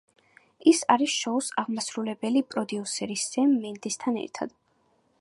ის არის შოუს აღმასრულებელი პროდიუსერი სემ მენდესთან ერთად.